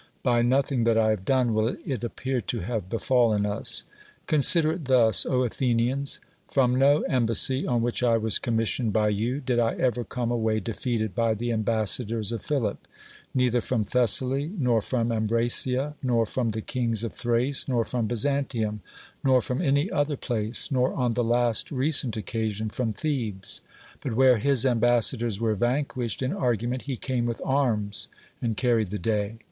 — by nothing that I have done will it appear to have befallen us. Consider it thus, Athenians. From no embassy, on which I was commissioned by you, did I ever come away defeated by the ambassadors of Philip — neither from Thessaly, nor from Ambracia, nor from the kings of Thrace, nor from Byzantium, nor from any other place, nor on the last recent occasion from Thebes ; but where his ambassadors were van quished in argument, he came with arms and carried the day.